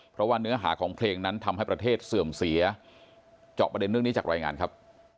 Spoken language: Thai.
เพราะว่าเนื้อหาของเพลงนั้นทำให้ประเทศเสื่อมเสียเจาะประเด็นเรื่องนี้จากรายงานครับ